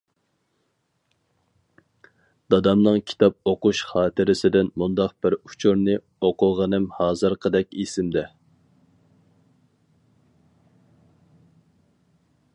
دادامنىڭ كىتاب ئوقۇش خاتىرىسىدىن مۇنداق بىر ئۇچۇرنى ئوقۇغىنىم ھازىرقىدەك ئېسىمدە.